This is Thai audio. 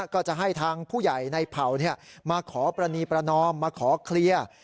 ก็จะให้ทางผู้ใหญ่ในเผ่ามาขอประณีประนอมมาขอเคลียร์